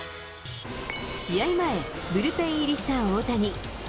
試合前、ブルペン入りした大谷。